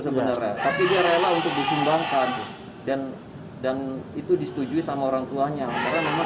sebenarnya tapi dia rela untuk disumbangkan dan dan itu disetujui sama orang tuanya karena memang